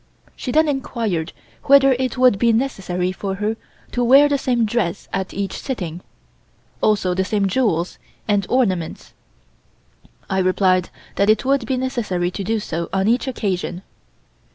She then enquired whether it would be necessary for her to wear the same dress at each sitting, also the same jewels and ornaments. I replied that it would be necessary to do so on each occasion.